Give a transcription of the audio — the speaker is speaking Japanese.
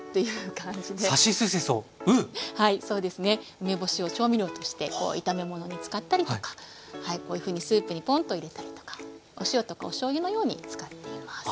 梅干しを調味料として炒めものに使ったりとかはいこういうふうにスープにポーンと入れたりとかお塩とかおしょうゆのように使っています。